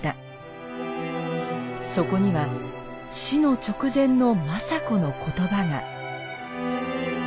そこには死の直前の政子の言葉が。